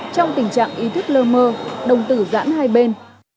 trong tình trạng ý thức lơ mơ đồng tử giãn hai bên